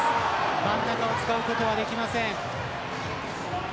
真ん中を使うことはできません。